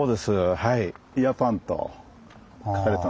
はい。